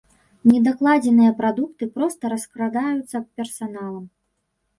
Недакладзеныя прадукты проста раскрадаюцца персаналам.